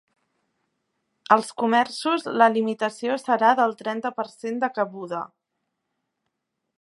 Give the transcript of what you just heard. Als comerços, la limitació serà del trenta per cent de cabuda.